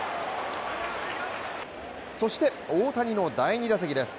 そして大谷の第２打席です。